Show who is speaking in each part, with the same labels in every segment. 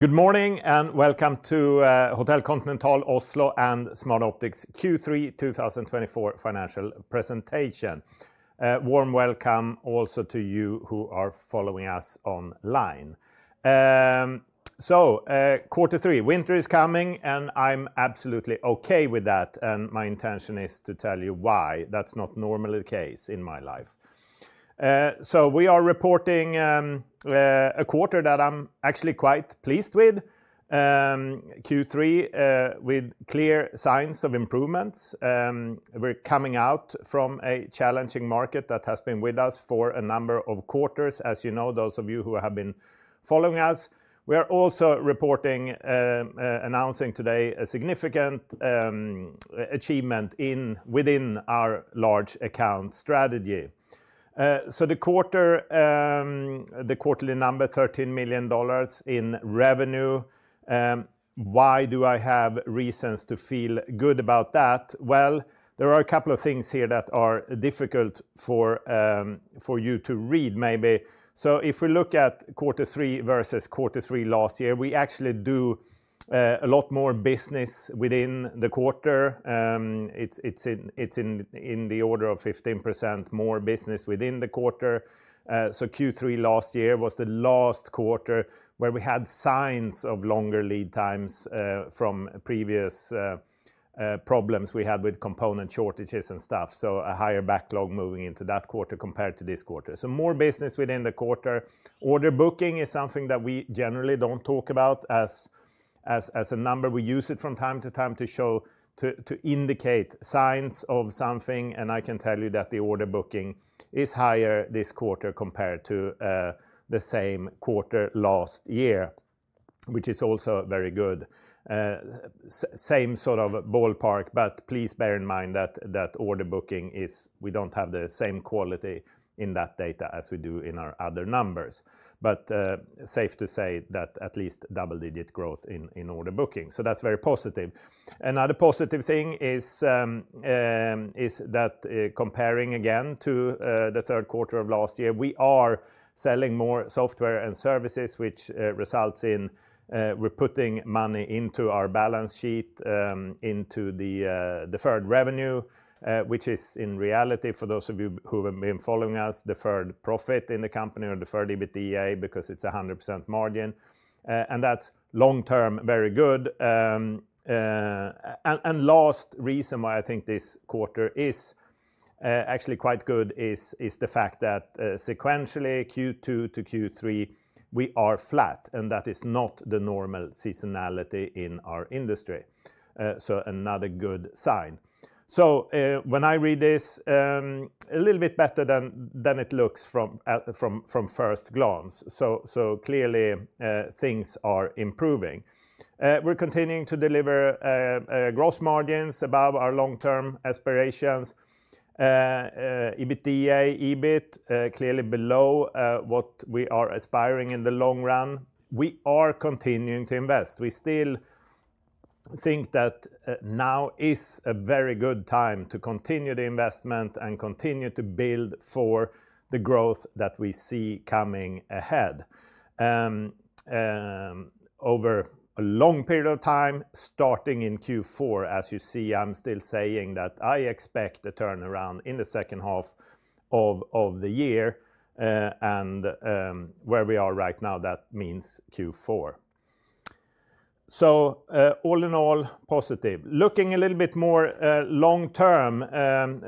Speaker 1: Good morning, and welcome to Hotel Continental Oslo and Smartoptics Q3 2024 Financial Presentation. Warm welcome also to you who are following us online. So, quarter three, winter is coming, and I'm absolutely okay with that, and my intention is to tell you why. That's not normally the case in my life. So we are reporting a quarter that I'm actually quite pleased with, Q3, with clear signs of improvements. We're coming out from a challenging market that has been with us for a number of quarters, as you know, those of you who have been following us. We are also reporting, announcing today a significant achievement within our large account strategy. So the quarter, the quarterly number, $13 million in revenue. Why do I have reasons to feel good about that? Well, there are a couple of things here that are difficult for you to read, maybe. So if we look at quarter three versus quarter three last year, we actually do a lot more business within the quarter. It's in the order of 15% more business within the quarter. So Q3 last year was the last quarter where we had signs of longer lead times from previous problems we had with component shortages and stuff, so a higher backlog moving into that quarter compared to this quarter. So more business within the quarter. Order booking is something that we generally don't talk about as a number. We use it from time to time to show, to indicate signs of something, and I can tell you that the order booking is higher this quarter compared to the same quarter last year, which is also very good. Same sort of ballpark, but please bear in mind that order booking is. We don't have the same quality in that data as we do in our other numbers, but safe to say that at least double-digit growth in order booking, so that's very positive. Another positive thing is that, comparing again to the third quarter of last year, we are selling more software and services, which results in we're putting money into our balance sheet into the deferred revenue, which is in reality, for those of you who have been following us, deferred profit in the company or deferred EBITDA, because it's 100% margin, and that's long-term, very good, and last reason why I think this quarter is actually quite good is the fact that sequentially, Q2 to Q3, we are flat, and that is not the normal seasonality in our industry, so another good sign, so when I read this a little bit better than it looks from first glance, so clearly things are improving. We're continuing to deliver gross margins above our long-term aspirations. EBITDA, EBIT, clearly below what we are aspiring in the long run. We are continuing to invest. We still think that now is a very good time to continue the investment and continue to build for the growth that we see coming ahead. Over a long period of time, starting in Q4, as you see, I'm still saying that I expect a turnaround in the second half of the year, and where we are right now, that means Q4. So, all in all, positive. Looking a little bit more long term,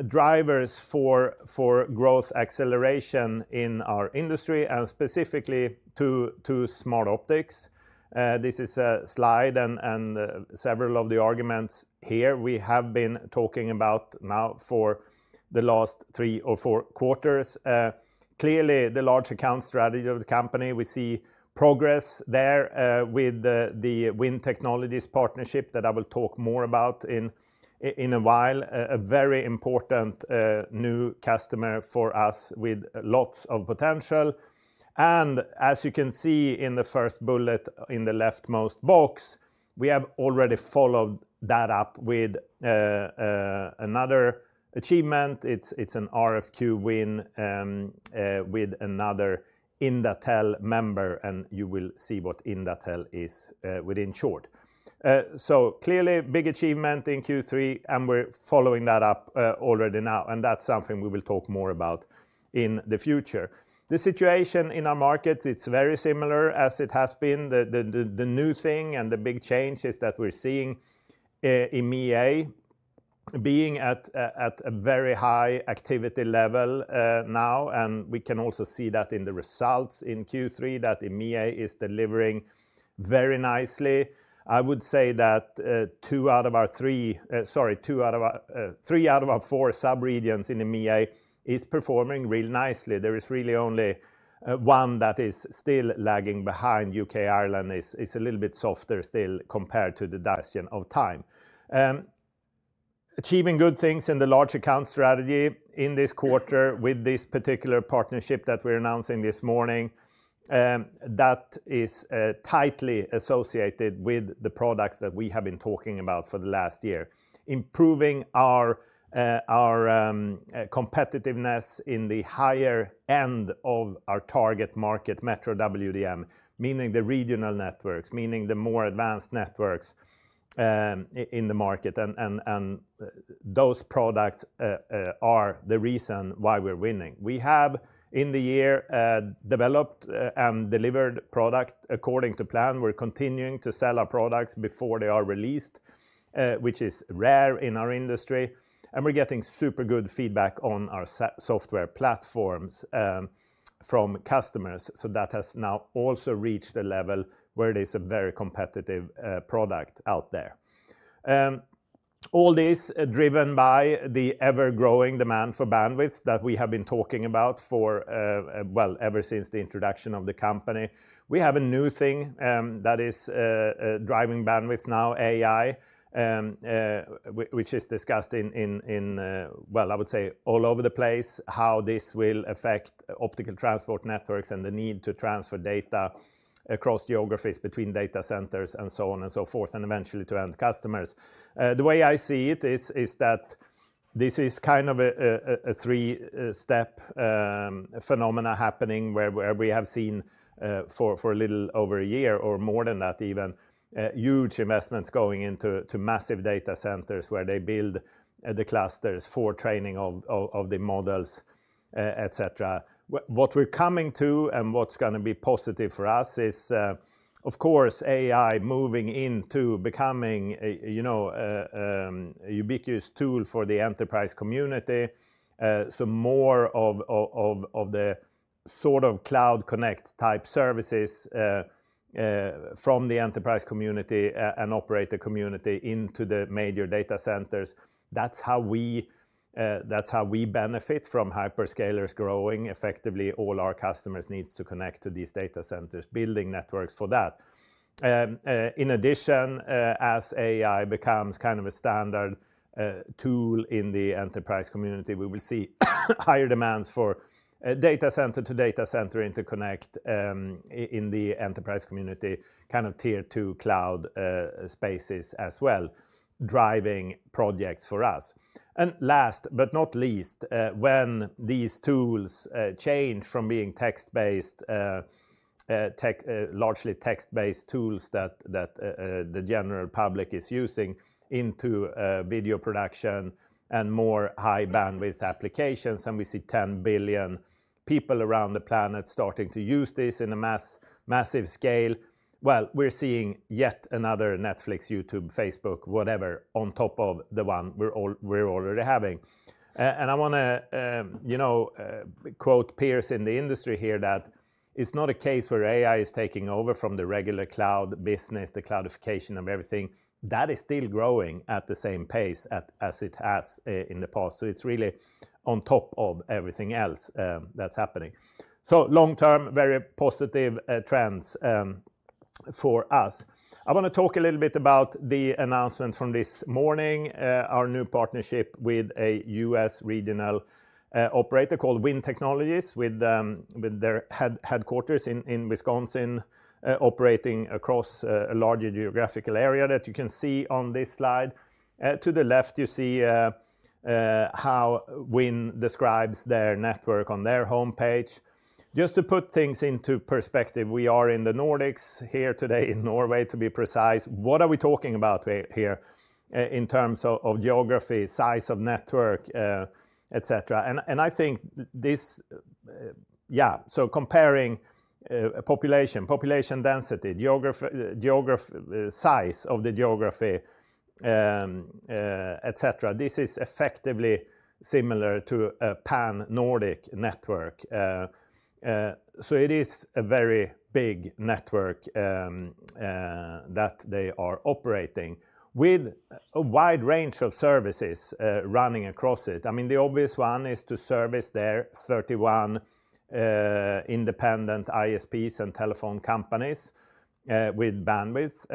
Speaker 1: drivers for growth acceleration in our industry and specifically to Smartoptics. This is a slide and several of the arguments here we have been talking about now for the last three or four quarters. Clearly, the large account strategy of the company, we see progress there, with the WIN Technology partnership that I will talk more about in a while, a very important new customer for us with lots of potential. And as you can see in the first bullet in the leftmost box, we have already followed that up with another achievement. It's an RFQ win with another INDATEL member, and you will see what INDATEL is within short. So clearly, big achievement in Q3, and we're following that up already now, and that's something we will talk more about in the future. The situation in our markets, it's very similar as it has been. The new thing and the big change is that we're seeing EMEA being at a very high activity level now, and we can also see that in the results in Q3, that EMEA is delivering very nicely. I would say that two out of our three, sorry, three out of our four sub-regions in EMEA is performing really nicely. There is really only one that is still lagging behind. U.K., Ireland is a little bit softer still compared to the duration of time. Achieving good things in the large account strategy in this quarter with this particular partnership that we're announcing this morning, that is tightly associated with the products that we have been talking about for the last year. Improving our competitiveness in the higher end of our target market, Metro WDM, meaning the regional networks, meaning the more advanced networks in the market, and those products are the reason why we're winning. We have, in the year, developed and delivered product according to plan. We're continuing to sell our products before they are released, which is rare in our industry, and we're getting super good feedback on our software platforms from customers. So that has now also reached a level where it is a very competitive product out there. All this driven by the ever-growing demand for bandwidth that we have been talking about for well, ever since the introduction of the company. We have a new thing that is driving bandwidth now, AI, which is discussed in well, I would say all over the place, how this will affect optical transport networks and the need to transfer data across geographies between data centers, and so on and so forth, and eventually to end customers. The way I see it is that this is kind of a three-step phenomena happening, where we have seen for a little over a year, or more than that even, huge investments going into massive data centers, where they build the clusters for training of the models, et cetera. What we're coming to, and what's gonna be positive for us is, of course, AI moving into becoming a you know a ubiquitous tool for the enterprise community, so more of the sort of cloud connect-type services from the enterprise community and operator community into the major data centers. That's how we benefit from hyperscalers growing. Effectively, all our customers needs to connect to these data centers, building networks for that. In addition, as AI becomes kind of a standard tool in the enterprise community, we will see higher demands for data center to data center interconnect in the enterprise community, kind of Tier 2 cloud spaces as well, driving projects for us. And last but not least, when these tools change from being text-based largely text-based tools that the general public is using, into video production and more high bandwidth applications, and we see 10 billion people around the planet starting to use this in a massive scale, well, we're seeing yet another Netflix, YouTube, Facebook, whatever, on top of the one we're already having. And I wanna, you know, quote peers in the industry here, that it's not a case where AI is taking over from the regular cloud business, the cloudification of everything. That is still growing at the same pace as it has in the past. So it's really on top of everything else, that's happening. So long term, very positive trends for us. I wanna talk a little bit about the announcement from this morning, our new partnership with a U.S. regional operator called WIN Technology, with their headquarters in Wisconsin, operating across a larger geographical area that you can see on this slide. To the left, you see how WIN describes their network on their homepage. Just to put things into perspective, we are in the Nordics here today, in Norway, to be precise. What are we talking about here, in terms of of geography, size of network, et cetera? And I think this. Yeah, so comparing population, population density, geography, size of the geography, et cetera, this is effectively similar to a Pan-Nordic network. So it is a very big network that they are operating with a wide range of services running across it. I mean, the obvious one is to service their 31 independent ISPs and telephone companies with bandwidth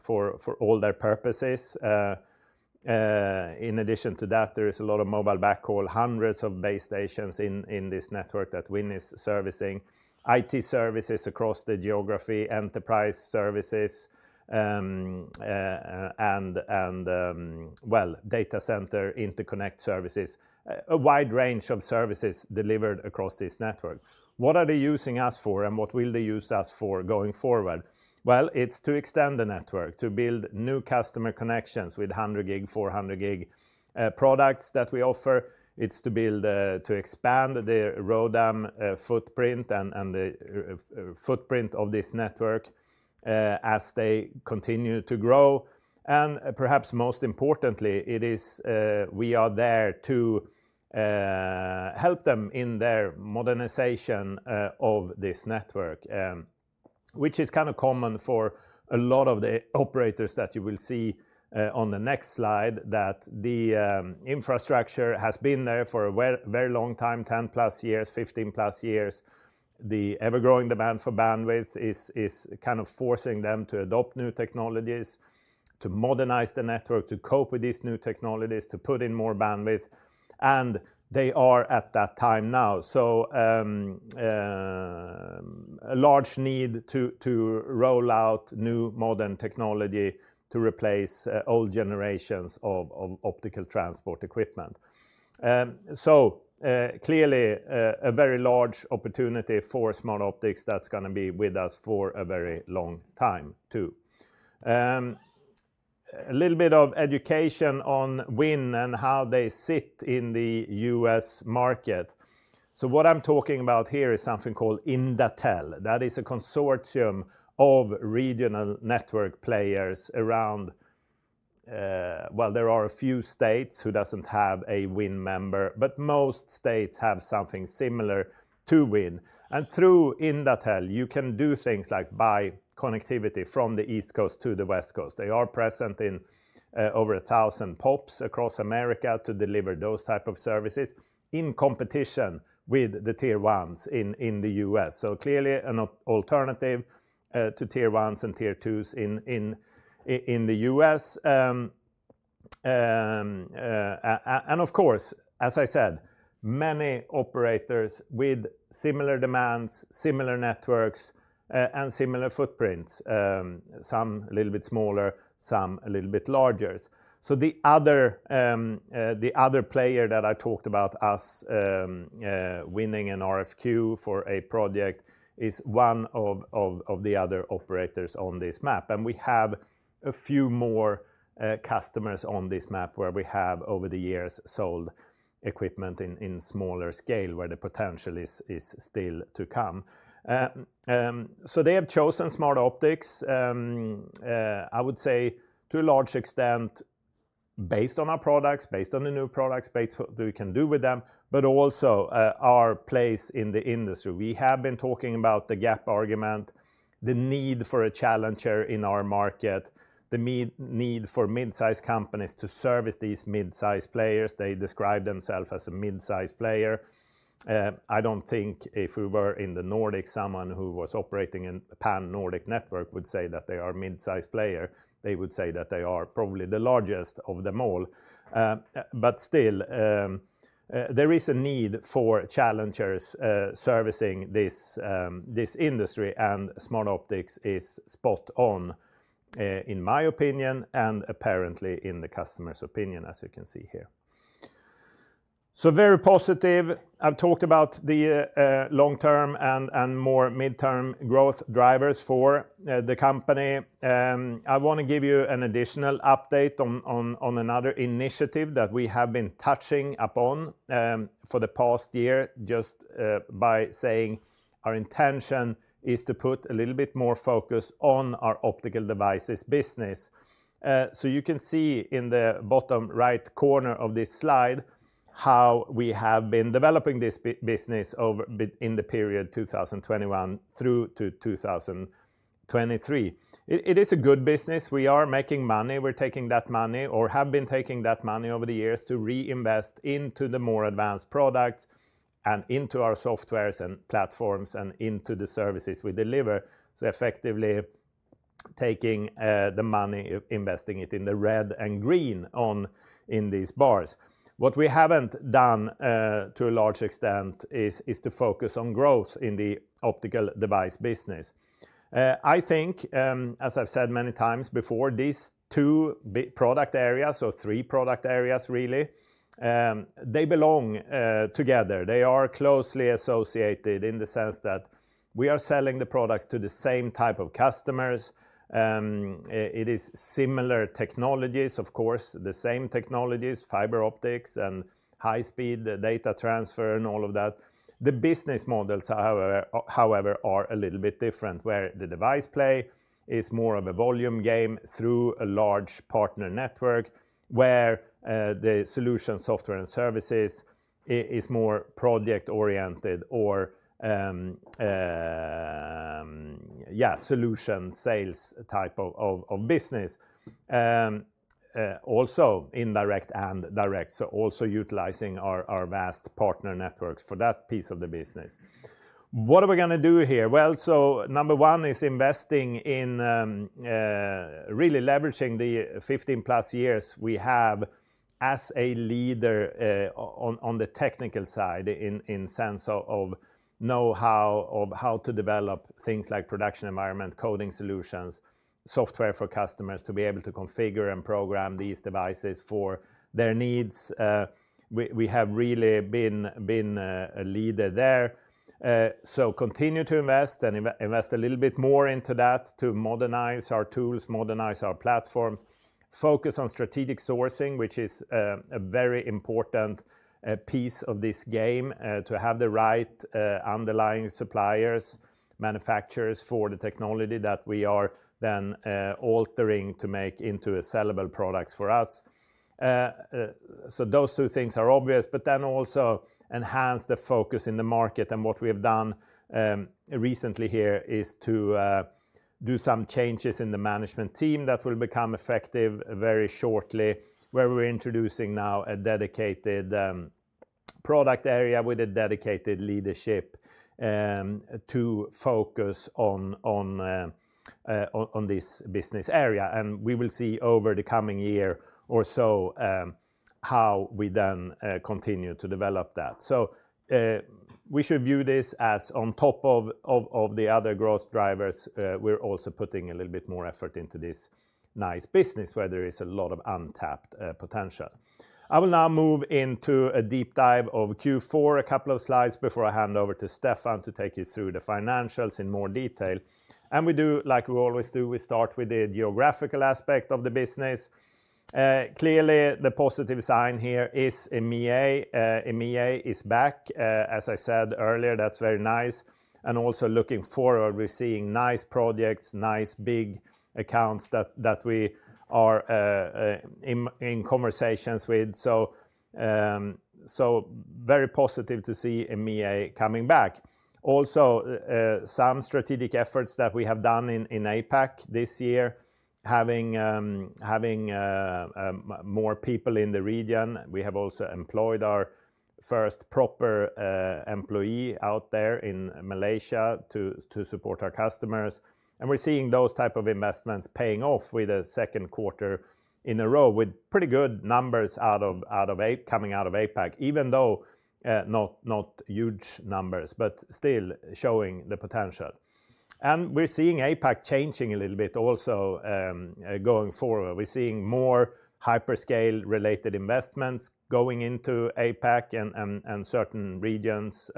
Speaker 1: for all their purposes. In addition to that, there is a lot of mobile backhaul, hundreds of base stations in this network that WIN is servicing, IT services across the geography, enterprise services, and data center interconnect services. A wide range of services delivered across this network. What are they using us for, and what will they use us for going forward? It's to extend the network, to build new customer connections with 100G, 400G products that we offer. It's to build to expand their ROADM footprint and the footprint of this network as they continue to grow. And perhaps most importantly, it is, we are there to, help them in their modernization, of this network, which is kind of common for a lot of the operators that you will see, on the next slide, that the, infrastructure has been there for a very long time, ten plus years, fifteen plus years. The ever-growing demand for bandwidth is kind of forcing them to adopt new technologies, to modernize the network, to cope with these new technologies, to put in more bandwidth, and they are at that time now. So, a large need to roll out new modern technology to replace, old generations of optical transport equipment. So, clearly, a very large opportunity for Smartoptics that's gonna be with us for a very long time, too. A little bit of education on WIN and how they sit in the U.S. market. So what I'm talking about here is something called INDATEL. That is a consortium of regional network players around, well, there are a few states who doesn't have a WIN member, but most states have something similar to WIN. And through INDATEL, you can do things like buy connectivity from the East Coast to the West Coast. They are present in over a thousand POPs across America to deliver those type of services in competition Tier 1 in the U.S. So clearly an Tier 1 and Tier 2s in the U.S. And of course, as I said, many operators with similar demands, similar networks and similar footprints, some a little bit smaller, some a little bit larger. So the other player that I talked about as winning an RFQ for a project is one of the other operators on this map, and we have a few more customers on this map where we have, over the years, sold equipment in smaller scale, where the potential is still to come. So they have chosen Smartoptics, I would say to a large extent, based on our products, based on the new products, based what we can do with them, but also our place in the industry. We have been talking about the gap argument, the need for a challenger in our market, the need for mid-sized companies to service these mid-sized players. They describe themselves as a mid-sized player. I don't think if we were in the Nordics, someone who was operating in a Pan-Nordic network would say that they are a mid-sized player. They would say that they are probably the largest of them all. But still, there is a need for challengers servicing this industry, and Smartoptics is spot on, in my opinion, and apparently in the customer's opinion, as you can see here. So very positive. I've talked about the long-term and more midterm growth drivers for the company. I wanna give you an additional update on another initiative that we have been touching upon for the past year, just by saying our intention is to put a little bit more focus on our optical devices business. So you can see in the bottom right corner of this slide, how we have been developing this business over in the period two thousand and twenty-one through to two thousand and twenty-three. It is a good business. We are making money. We're taking that money, or have been taking that money over the years to reinvest into the more advanced products and into our softwares and platforms and into the services we deliver. So effectively taking the money, investing it in the red and green on in these bars. What we haven't done to a large extent is to focus on growth in the optical device business. I think, as I've said many times before, these two big product areas or three product areas, really, they belong together. They are closely associated in the sense that we are selling the products to the same type of customers. It is similar technologies, of course, the same technologies, fiber optics and high speed data transfer and all of that. The business models, however, are a little bit different, where the device play is more of a volume game through a large partner network, where the solution, software and services is more project-oriented or, yeah, solution sales type of business. Also indirect and direct, so also utilizing our vast partner networks for that piece of the business. What are we gonna do here? Well, so number one is investing in really leveraging the fifteen plus years we have as a leader on the technical side, in sense of know-how of how to develop things like production environment, coding solutions, software for customers to be able to configure and program these devices for their needs. We have really been a leader there. So continue to invest and invest a little bit more into that to modernize our tools, modernize our platforms, focus on strategic sourcing, which is a very important piece of this game, to have the right underlying suppliers, manufacturers for the technology that we are then altering to make into a sellable products for us. So those two things are obvious, but then also enhance the focus in the market. And what we have done recently here is to do some changes in the management team that will become effective very shortly, where we're introducing now a dedicated product area with a dedicated leadership to focus on this business area. And we will see over the coming year or so how we then continue to develop that. So we should view this as on top of the other growth drivers. We're also putting a little bit more effort into this nice business, where there is a lot of untapped potential. I will now move into a deep dive of Q4, a couple of slides before I hand over to Stefan to take you through the financials in more detail. And we do like we always do, we start with the geographical aspect of the business. Clearly, the positive sign here is EMEA. EMEA is back. As I said earlier, that's very nice, and also looking forward, we're seeing nice projects, nice big accounts that we are in conversations with, so very positive to see EMEA coming back. Also, some strategic efforts that we have done in APAC this year, having more people in the region. We have also employed our first proper employee out there in Malaysia to support our customers, and we're seeing those type of investments paying off with a second quarter in a row, with pretty good numbers out of APAC coming out of APAC, even though not huge numbers, but still showing the potential, and we're seeing APAC changing a little bit also, going forward. We're seeing more hyperscale related investments going into APAC and certain regions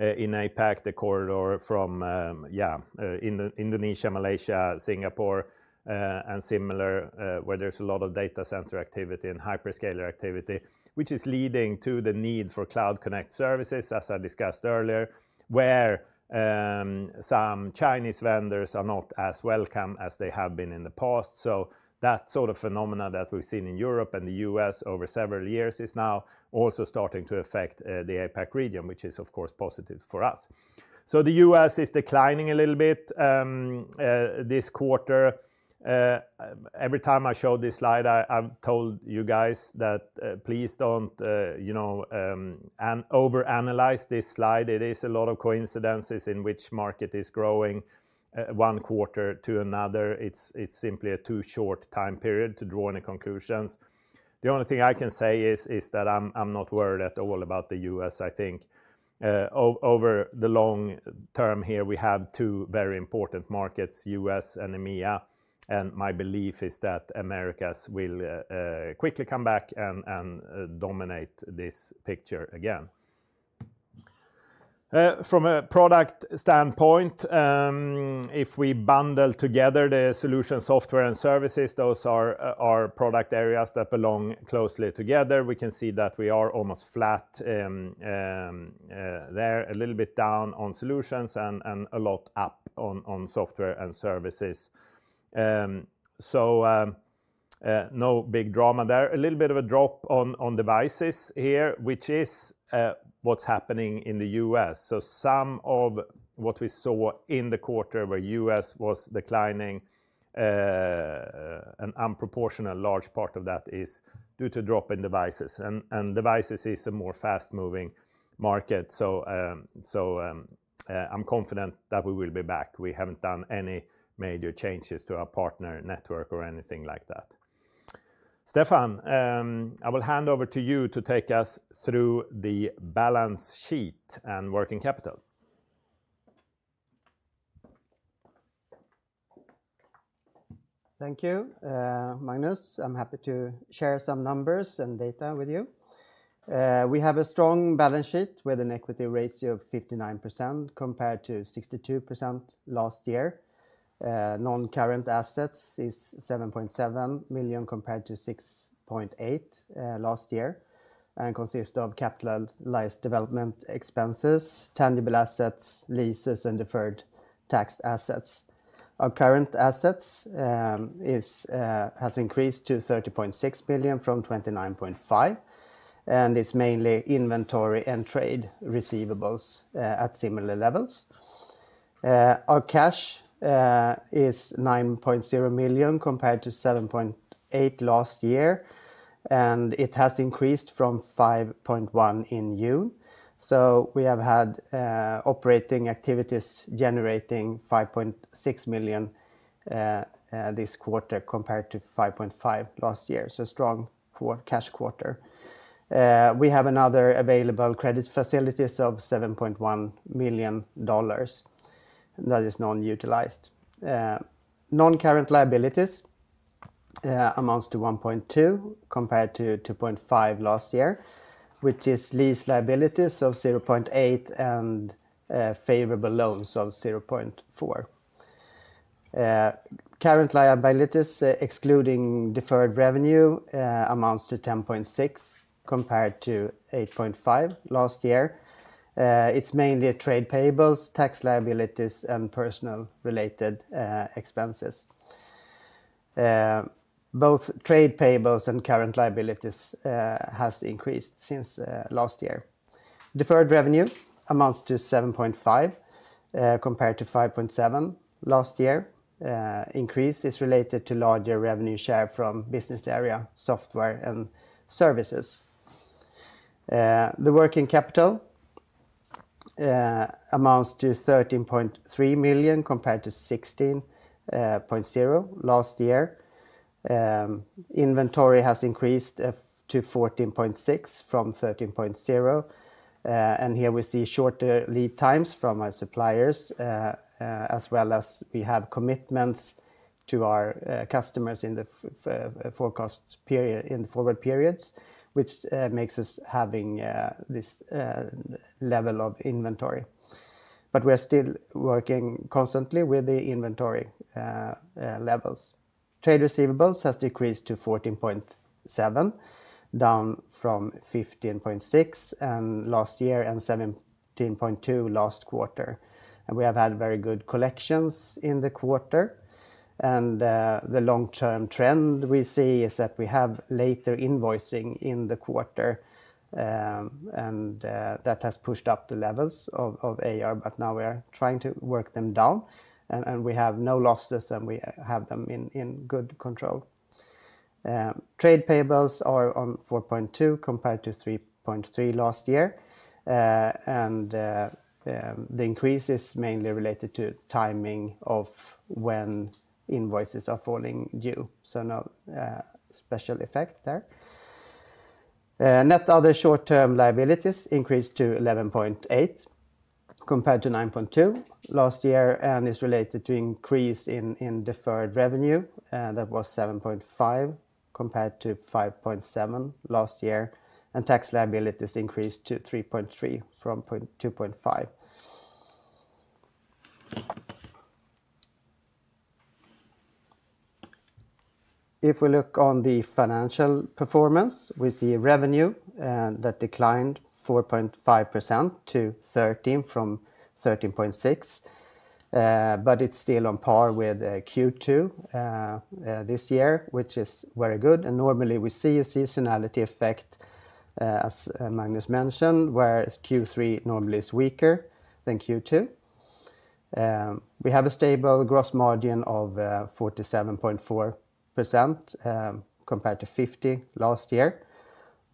Speaker 1: in APAC, the corridor from Indonesia, Malaysia, Singapore, and similar, where there's a lot of data center activity and hyperscaler activity, which is leading to the need for Cloud Connect services, as I discussed earlier, where some Chinese vendors are not as welcome as they have been in the past. So that sort of phenomena that we've seen in Europe and the U.S. over several years is now also starting to affect the APAC region, which is, of course, positive for us. So the U.S. is declining a little bit this quarter. Every time I show this slide, I've told you guys that please don't you know overanalyze this slide. It is a lot of coincidences in which market is growing one quarter to another. It's simply a too short time period to draw any conclusions. The only thing I can say is that I'm not worried at all about the U.S. I think over the long term here, we have two very important markets, U.S. and EMEA, and my belief is that Americas will quickly come back and dominate this picture again. From a product standpoint, if we bundle together the solution, software, and services, those are product areas that belong closely together. We can see that we are almost flat there, a little bit down on solutions and a lot up on software and services. So no big drama there. A little bit of a drop on devices here, which is what's happening in the U.S.. So some of what we saw in the quarter where U.S. was declining, a disproportionate large part of that is due to drop in devices, and devices is a more fast-moving market. So, I'm confident that we will be back. We haven't done any major changes to our partner network or anything like that. Stefan, I will hand over to you to take us through the balance sheet and working capital.
Speaker 2: Thank you, Magnus. I'm happy to share some numbers and data with you. We have a strong balance sheet with an equity ratio of 59%, compared to 62% last year. Non-current assets is $7.7 million, compared to $6.8 million last year, and consist of capitalized development expenses, tangible assets, leases, and deferred tax assets. Our current assets has increased to$30.6 billion from $29.5 billion, and it's mainly inventory and trade receivables at similar levels. Our cash is $9.0 million, compared to $7.8 million last year, and it has increased from $5.1 million in June. So we have had operating activities generating $5.6 million this quarter, compared to $5.5 million last year. So strong free cash quarter. We have another available credit facilities of $7.1 million, and that is non-utilized. Non-current liabilities amounts to 1.2, compared to 2.5 last year, which is lease liabilities of 0.8 and favorable loans of 0.4. Current liabilities, excluding deferred revenue, amounts to 10.6, compared to 8.5 last year. It's mainly trade payables, tax liabilities, and personnel related expenses. Both trade payables and current liabilities has increased since last year. Deferred revenue amounts to 7.5, compared to 5.7 last year. Increase is related to larger revenue share from business area, software, and services. The working capital amounts to 13.3 million, compared to 16.0 last year. Inventory has increased to 14.6 from 13.0. And here we see shorter lead times from our suppliers as well as we have commitments to our customers in the forecast period, in the forward periods, which makes us having this level of inventory. But we are still working constantly with the inventory levels. Trade receivables has decreased to 14.7, down from 15.6 last year, and 17.2 last quarter. And we have had very good collections in the quarter, and the long-term trend we see is that we have later invoicing in the quarter, and that has pushed up the levels of AR, but now we are trying to work them down, and we have no losses, and we have them in good control. Trade payables are on 4.2, compared to 3.3 last year. And the increase is mainly related to timing of when invoices are falling due, so no special effect there. Net other short-term liabilities increased to 11.8, compared to 9.2 last year, and is related to increase in deferred revenue that was 7.5, compared to 5.7 last year, and tax liabilities increased to 3.3 from 2.5. If we look on the financial performance, we see revenue that declined 4.5% to 13 from 13.6. It's still on par with Q2 this year, which is very good. Normally, we see a seasonality effect, as Magnus mentioned, where Q3 normally is weaker than Q2. We have a stable gross margin of 47.4%, compared to 50% last year.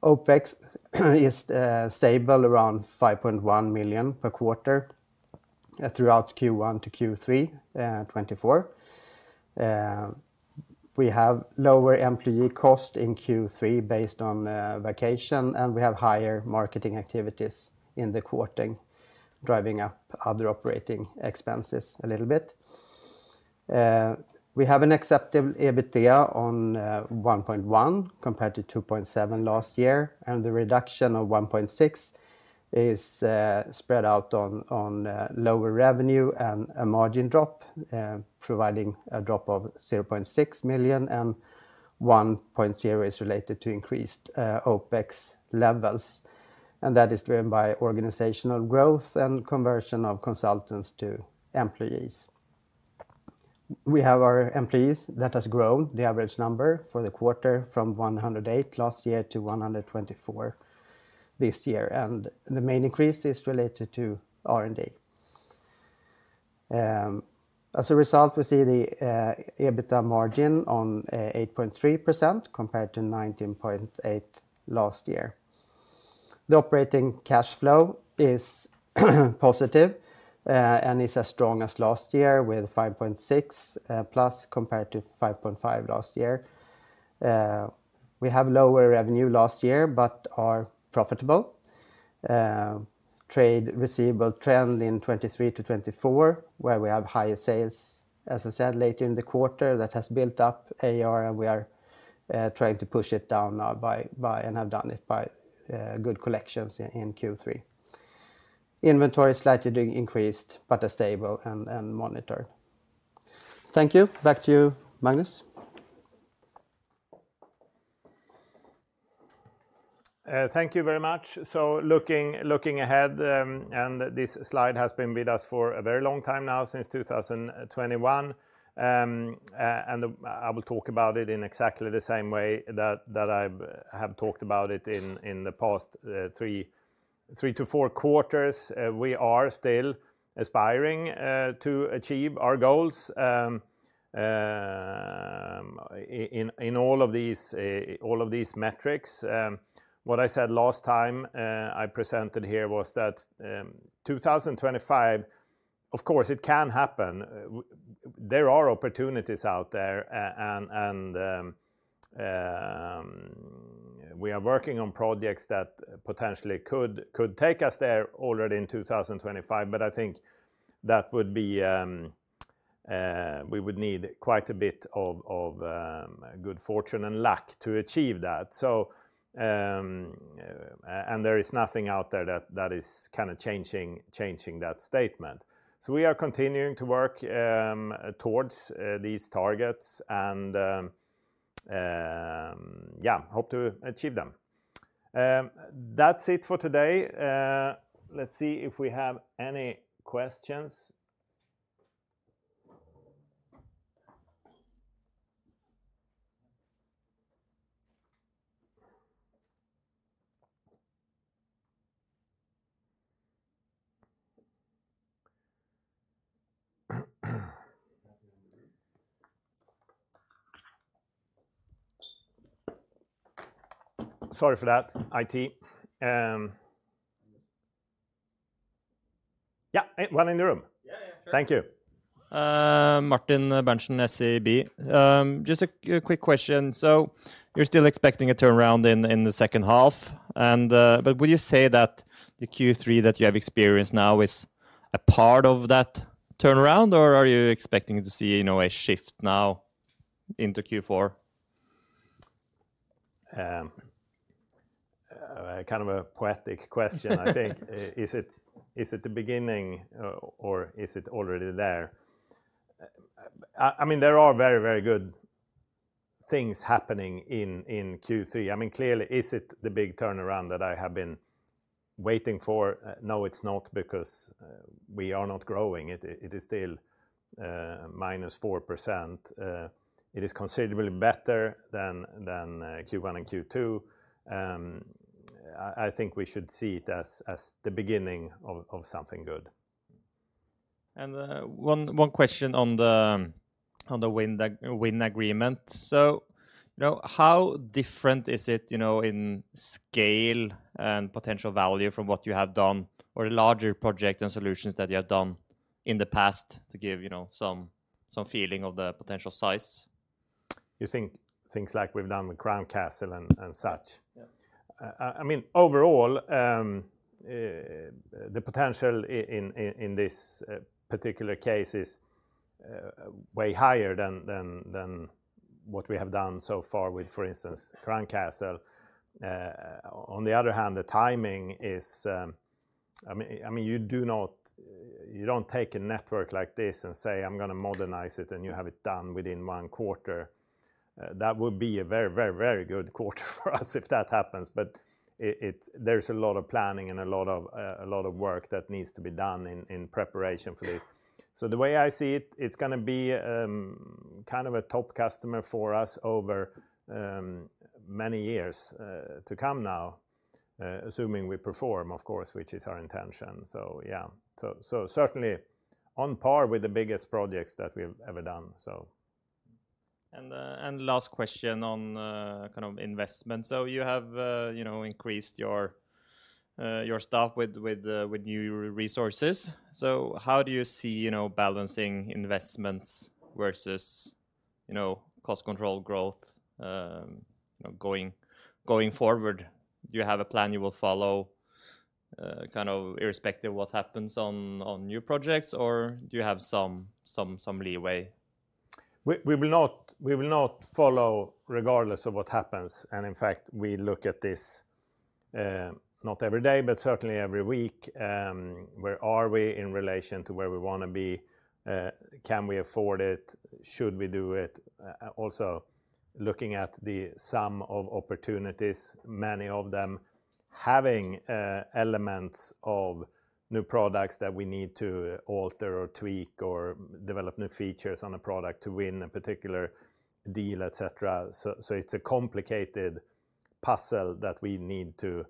Speaker 2: OpEx is stable around 5.1 million per quarter throughout Q1 to Q3 2024. We have lower employee cost in Q3 based on vacation, and we have higher marketing activities in the quarter, driving up other operating expenses a little bit. We have an acceptable EBITDA on 1.1, compared to 2.7 last year, and the reduction of 1.6 is spread out on lower revenue and a margin drop, providing a drop of 0.6 million, and 1.0 is related to increased OpEx levels, and that is driven by organizational growth and conversion of consultants to employees. We have our employees that has grown the average number for the quarter from 108 last year to 124 this year, and the main increase is related to R&D. As a result, we see the EBITDA margin on 8.3%, compared to 19.8% last year. The operating cash flow is positive and is as strong as last year, with 5.6+, compared to 5.5 last year. We have lower revenue last year, but are profitable. Trade receivable trend in 2023 to 2024, where we have higher sales, as I said, later in the quarter, that has built up AR, and we are trying to push it down now by and have done it by good collections in Q3. Inventory slightly increased, but are stable and monitored. Thank you. Back to you, Magnus.
Speaker 1: Thank you very much. Looking ahead, this slide has been with us for a very long time now, since 2021. I will talk about it in exactly the same way that I've talked about it in the past three to four quarters. We are still aspiring to achieve our goals in all of these metrics. What I said last time I presented here was that 2025, of course, it can happen. There are opportunities out there, and we are working on projects that potentially could take us there already in 2025. But I think that would be. We would need quite a bit of good fortune and luck to achieve that. So and there is nothing out there that is kinda changing that statement. So we are continuing to work towards these targets, and yeah, hope to achieve them. That's it for today. Let's see if we have any questions. Sorry for that, IT. Yeah, one in the room. Yeah, yeah, sure. Thank you. Martin Bengtsson, SEB. Just a quick question. So you're still expecting a turnaround in the second half, and but would you say that the Q3 that you have experienced now is a part of that turnaround, or are you expecting to see, you know, a shift now into Q4? Kind of a poetic question, I think. I mean, there are very, very good things happening in Q3. I mean, clearly, is it the big turnaround that I have been waiting for? No, it's not, because we are not growing. It is still minus 4%. It is considerably better than Q1 and Q2. I think we should see it as the beginning of something good. One question on the WIN agreement. So, you know, how different is it, you know, in scale and potential value from what you have done, or larger project and solutions that you have done in the past, to give, you know, some feeling of the potential size? You think things like we've done with Crown Castle and such? Yeah. I mean, overall, the potential in this particular case is way higher than what we have done so far with, for instance, Crown Castle. On the other hand, the timing is, I mean, you do not, you don't take a network like this and say, "I'm gonna modernize it," and you have it done within one quarter. That would be a very good quarter for us if that happens. But there's a lot of planning and a lot of work that needs to be done in preparation for this. So the way I see it, it's gonna be kind of a top customer for us over many years to come now, assuming we perform, of course, which is our intention. Yeah, so certainly on par with the biggest projects that we've ever done. And last question on kind of investment. So you have, you know, increased your staff with new resources. So how do you see, you know, balancing investments versus, you know, cost control growth, you know, going forward? Do you have a plan you will follow, kind of irrespective of what happens on new projects, or do you have some leeway? We will not follow regardless of what happens, and in fact, we look at this not every day, but certainly every week. Where are we in relation to where we wanna be? Can we afford it? Should we do it? Also looking at the sum of opportunities, many of them having elements of new products that we need to alter or tweak or develop new features on a product to win a particular deal, et cetera. It's a complicated puzzle that we need to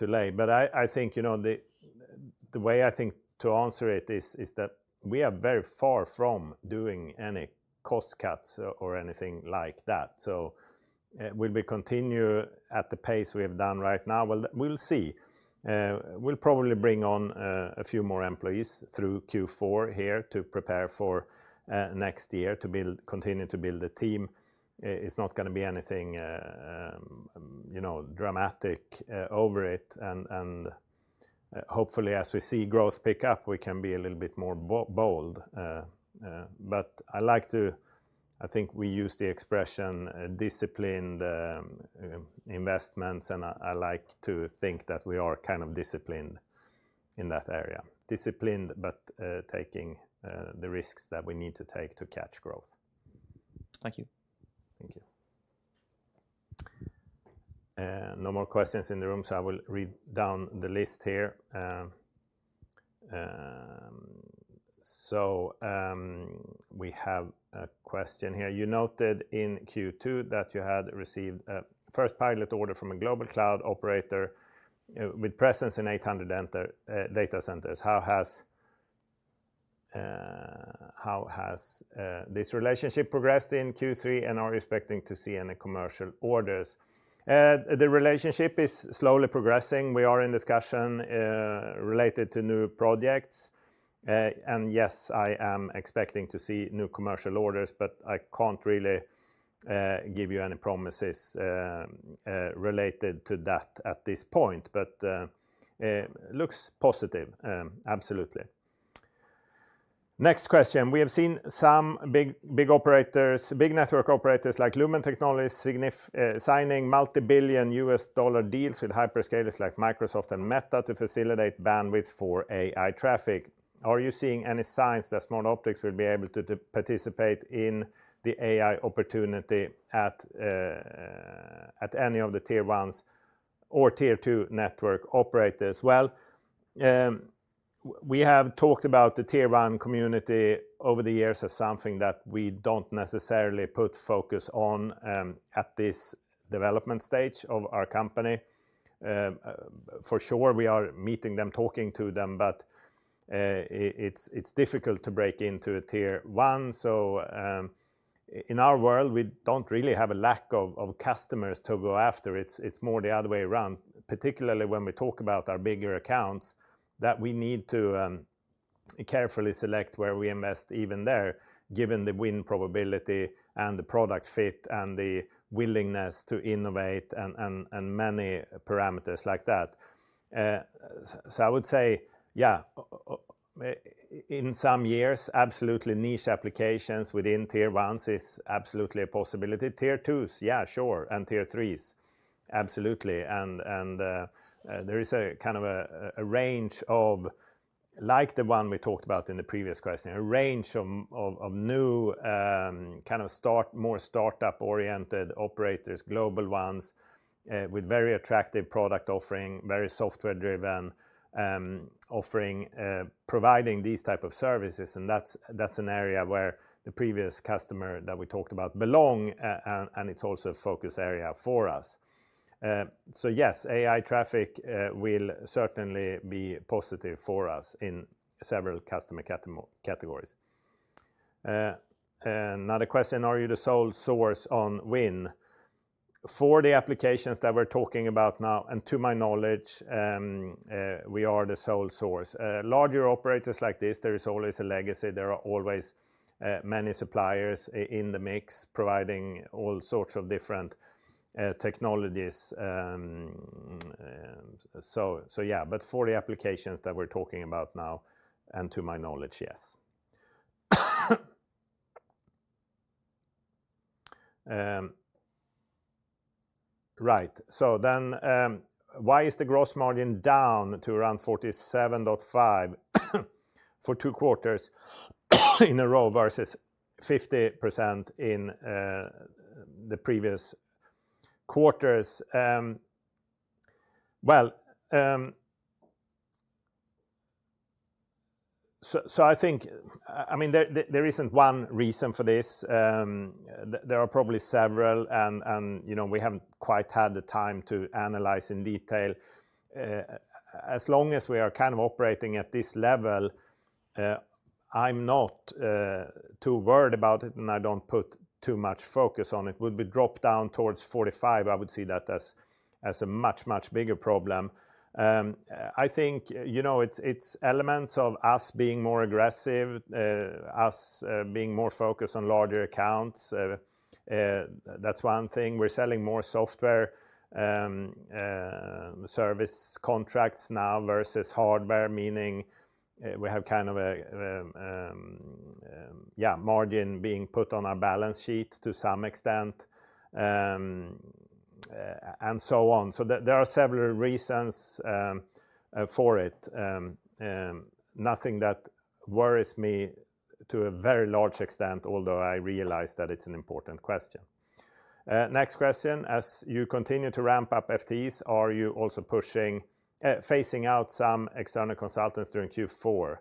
Speaker 1: lay. But I think, you know, the way I think to answer it is that we are very far from doing any cost cuts or anything like that. So, will we continue at the pace we have done right now? Well, we'll see. We'll probably bring on a few more employees through Q4 here to prepare for next year, to continue to build the team. It's not gonna be anything, you know, dramatic, over it, and hopefully, as we see growth pick up, we can be a little bit more bold, but I like to... I think we use the expression, "disciplined investments," and I like to think that we are kind of disciplined in that area. Disciplined, but taking the risks that we need to take to catch growth. Thank you. Thank you. No more questions in the room, so I will read down the list here, so we have a question here: You noted in Q2 that you had received a first pilot order from a global cloud operator with presence in eight hundred enterprise data centers. How has this relationship progressed in Q3, and are you expecting to see any commercial orders? The relationship is slowly progressing. We are in discussion related to new projects. And yes, I am expecting to see new commercial orders, but I can't really give you any promises related to that at this point. But looks positive, absolutely. Next question: We have seen some big, big operators, big network operators like Lumen Technologies, significantly signing multi-billion USD deals with hyperscalers like Microsoft and Meta to facilitate bandwidth for AI traffic. Are you seeing any signs that Smartoptics will be able to participate in the AI opportunity at any of Tier 1 or Tier 2 network operators? We have talked about the Tier 1 community over the years as something that we don't necessarily put focus on at this development stage of our company. For sure, we are meeting them, talking to them, but it's difficult to break into a Tier 1. So, in our world, we don't really have a lack of customers to go after. It's, it's more the other way around, particularly when we talk about our bigger accounts, that we need to carefully select where we invest, even there, given the win probability and the product fit and the willingness to innovate and many parameters like that. So I would say, yeah, in some years, absolutely niche Tier 1 is absolutely a possibility. Tier 2s, yeah, sure, and Tier 3s, absolutely. There is a kind of a range of like the one we talked about in the previous question, a range of new kind of more startup-oriented operators, global ones, with very attractive product offering, very software-driven offering, providing these type of services. That's an area where the previous customer that we talked about belongs, and it's also a focus area for us. Yes, AI traffic will certainly be positive for us in several customer categories. Another question: Are you the sole source on WIN? For the applications that we're talking about now, and to my knowledge, we are the sole source. Larger operators like this, there is always a legacy. There are always many suppliers in the mix, providing all sorts of different technologies. Yeah, but for the applications that we're talking about now, and to my knowledge, yes. Right. Then, why is the gross margin down to around 47.5% for two quarters in a row versus 50% in the previous quarters? Well, so I think. I mean, there isn't one reason for this. There are probably several, and you know, we haven't quite had the time to analyze in detail. As long as we are kind of operating at this level, I'm not too worried about it, and I don't put too much focus on it. Would we drop down towards 45, I would see that as a much bigger problem. I think, you know, it's elements of us being more aggressive, us being more focused on larger accounts. That's one thing. We're selling more software, service contracts now versus hardware, meaning we have kind of a yeah margin being put on our balance sheet to some extent, and so on. There are several reasons for it. Nothing that worries me to a very large extent, although I realize that it's an important question. Next question: As you continue to ramp up FTEs, are you also pushing phasing out some external consultants during Q4?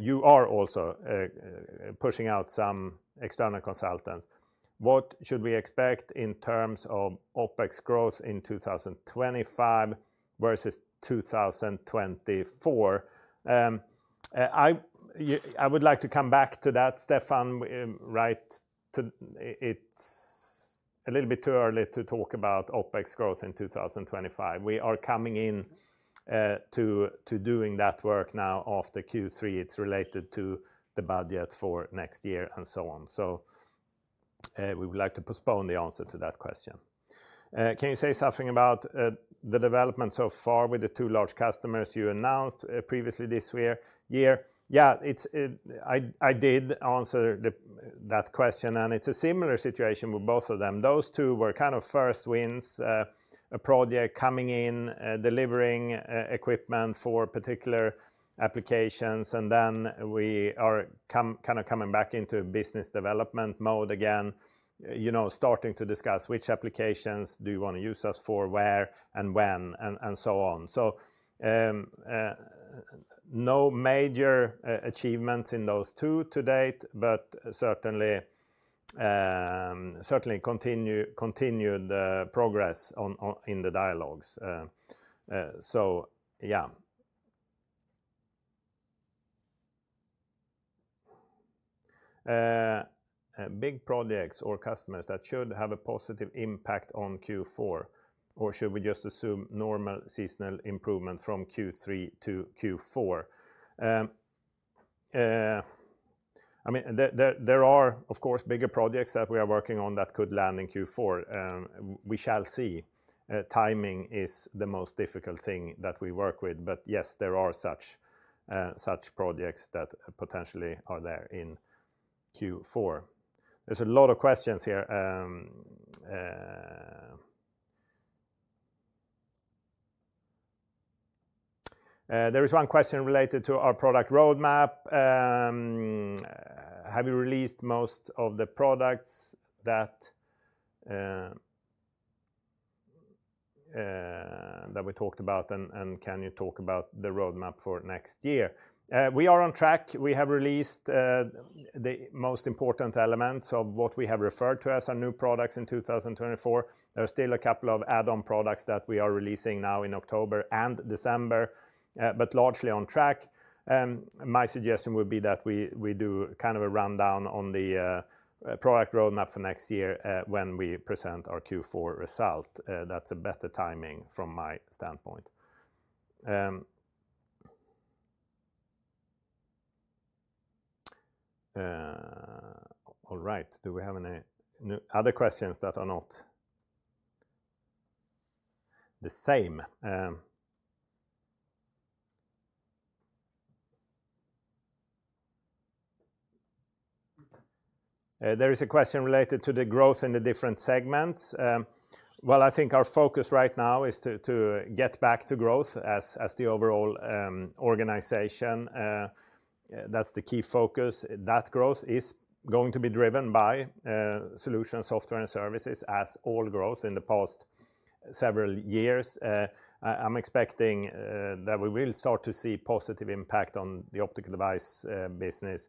Speaker 1: You are also pushing out some external consultants. What should we expect in terms of OpEx growth in 2025 versus 2024? I would like to come back to that, Stefan. Right. It's a little bit too early to talk about OpEx growth in 2025. We are coming in to doing that work now after Q3. It's related to the budget for next year and so on. We would like to postpone the answer to that question. Can you say something about the development so far with the two large customers you announced previously this year? Yeah, it's. I did answer that question, and it's a similar situation with both of them. Those two were kind of first wins, a project coming in, delivering equipment for particular applications, and then we are kind of coming back into business development mode again, you know, starting to discuss which applications do you want to use us for, where and when, and so on. So, no major achievements in those two to date, but certainly continued progress in the dialogues. So, yeah. Big projects or customers that should have a positive impact on Q4, or should we just assume normal seasonal improvement from Q3 to Q4? I mean, there are, of course, bigger projects that we are working on that could land in Q4. We shall see. Timing is the most difficult thing that we work with, but yes, there are such projects that potentially are there in Q4. There's a lot of questions here. There is one question related to our product roadmap. Have you released most of the products that we talked about, and can you talk about the roadmap for next year? We are on track. We have released the most important elements of what we have referred to as our new products in 2024. There are still a couple of add-on products that we are releasing now in October and December, but largely on track. My suggestion would be that we do kind of a rundown on the product roadmap for next year, when we present our Q4 result. That's a better timing from my standpoint. All right. Do we have any other questions that are not the same? There is a question related to the growth in the different segments, well, I think our focus right now is to get back to growth as the overall organization. That's the key focus. That growth is going to be driven by solution, software, and services, as all growth in the past several years. I'm expecting that we will start to see positive impact on the optical device business,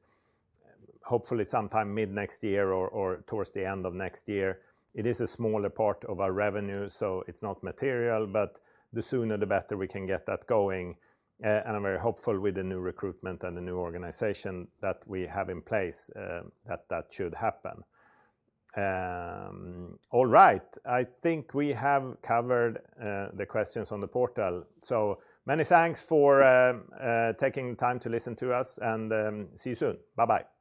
Speaker 1: hopefully sometime mid-next year or towards the end of next year. It is a smaller part of our revenue, so it's not material, but the sooner the better we can get that going, and I'm very hopeful with the new recruitment and the new organization that we have in place, that that should happen. All right. I think we have covered the questions on the portal, so many thanks for taking time to listen to us, and see you soon. Bye-bye.